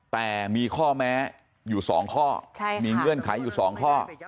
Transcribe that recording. แต่มีข้อแม้อยู่๒ข้อมีเงื่อนไขอยู่๒ข้อ